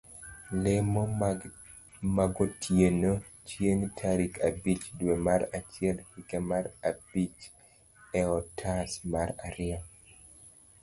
lemo magotiene chieng' tarik abich dwe mar achiel higa mar abich eotas mar ariyo